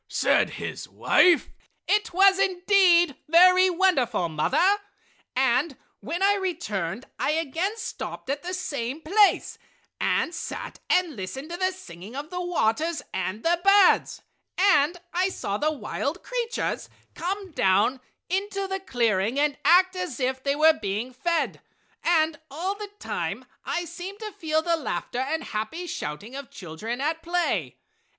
said his wife. "It was indeed very wonderful, mother. And when I returned I again stopped at the same place and sat and listened to the singing of the waters and the birds, and I saw the wild creatures come down into the clearing and act as if they were being fed, and all the time I seemed to feel the laughter and happy shouting of children at play.